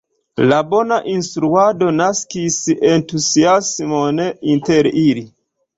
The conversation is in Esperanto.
La bona instruado naskis entuziasmon inter ili.